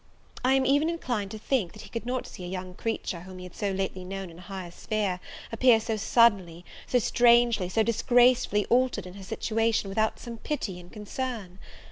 I am even inclined to think, that he could not see a young creature whom he had so lately known in a higher sphere, appear so suddenly, so strangely, so disgracefully altered in her situation, without some pity and concern.